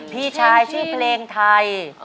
พี่ชายชื่อเพลงไทย